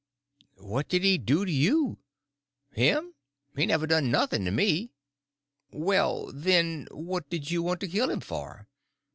"What did he do to you?" "Him? He never done nothing to me." "Well, then, what did you want to kill him for?"